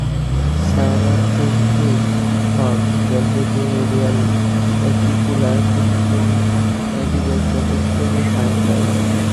Cyanotrichite forms velvety radial acicular crystal aggregates of extremely fine fibers.